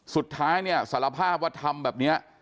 สุดท้ายสารภาพวัฒนธรรมแบบนี้